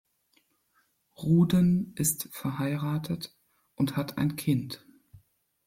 Ruden ist verheiratet und hat ein Kind.